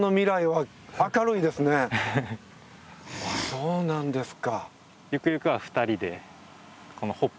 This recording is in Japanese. そうなんですか。